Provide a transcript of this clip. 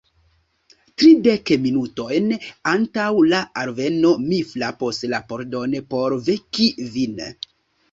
Tridek minutojn antaŭ la alveno mi frapos la pordon por veki vin.